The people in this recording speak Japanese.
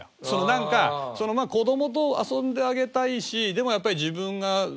そのなんか子どもと遊んであげたいしでもやっぱり自分が。